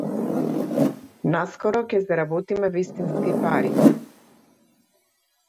Наскоро ќе заработиме вистински пари.